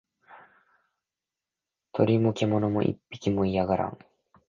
鳥も獣も一匹も居やがらん